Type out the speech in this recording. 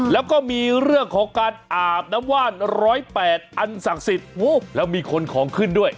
แล้วก็มีเรื่องของการอาบน้ำว่าน๑๐๘อันศักดิ์สิทธิ์แล้วมีคนของขึ้นด้วย